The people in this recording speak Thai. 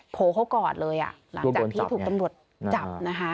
โผล่เขากอดเลยอ่ะหลังจากที่ถูกตำรวจจับนะคะ